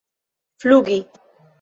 flugi